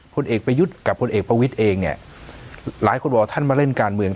ผลเอกประยุทธ์กับพลเอกประวิทย์เองเนี่ยหลายคนบอกท่านมาเล่นการเมือง